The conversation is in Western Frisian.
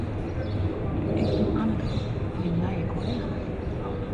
Ik bin Anneke, jim nije kollega.